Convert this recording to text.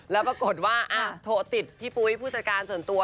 แล้วปรากฏว่าโทรติดพี่ปุ๊ยผู้จัดการส่วนตัว